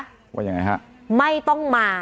ก็เป็นสถานที่ตั้งมาเพลงกุศลศพให้กับน้องหยอดนะคะ